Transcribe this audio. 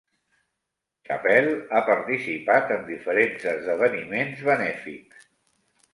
Chappelle ha participat en diferents esdeveniments benèfics.